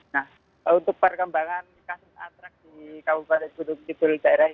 nah untuk perkembangan kasus antraks di kabupaten gunung kidul daerah ini